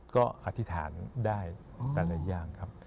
ก็อธิษฐานได้แต่ละอย่างครับ